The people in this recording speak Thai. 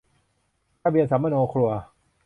ทะเบียนสำมะโนครัว